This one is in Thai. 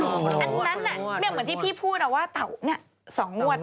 อันแหละเหมือนที่พี่พูดว่าสองงวด